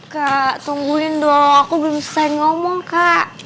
kak tungguin dong aku belum selesai ngomong kak